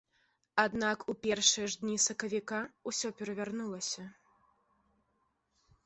Аднак у першыя ж дні сакавіка ўсё перавярнулася.